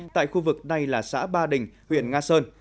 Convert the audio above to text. tại khu vực đây là xã ba đình huyện nga sơn